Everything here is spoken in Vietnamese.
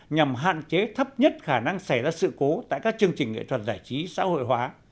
nhằm hạn chế thấp nhất khả năng xảy ra sự cố tại các chương trình nghệ thuật giải trí xã hội hóa